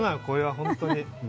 これは本当に。